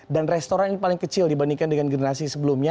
dan restoran ini paling kecil dibandingkan dengan generasi sebelumnya